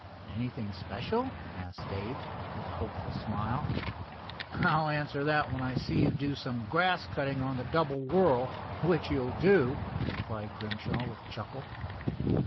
"Anything special?" asked Dave, with a hopeful smile. "I'll answer that when I see you do some grass cutting on the double whirl—which you'll do," replied Grimshaw with a chuckle.